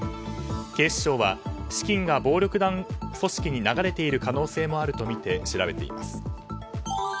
警視庁は資金が暴力団組織に流れている可能性もあるとみて調べています。